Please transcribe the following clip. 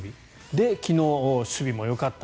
で、昨日、守備もよかった。